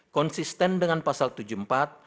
konsisten dengan pasal tujuh puluh empat